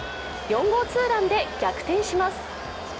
４号ツーランで逆転します。